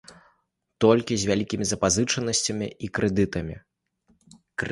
Толькі з вялікімі запазычанасцямі і крэдытамі.